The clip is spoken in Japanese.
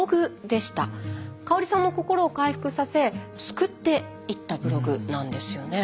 香さんの心を回復させ救っていったブログなんですよね。